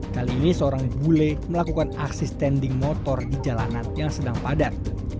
kali ini seorang bule melakukan aksi standing motor di jalanan yang sedang padat